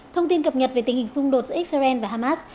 thông tin cập nhật về tình hình xung đột giữa israel và hamas